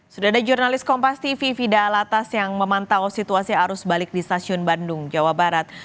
sudah ada jurnalis kompas tv fidalatas yang memantau situasi arus balik di stasiun bandung jawa barat